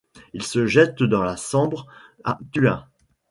Il se jette dans la Sambre à Thuin.